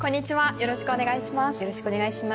よろしくお願いします。